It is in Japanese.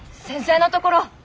先生のところ。